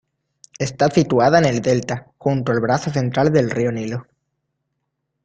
Está situada en el delta, junto al brazo central del río Nilo.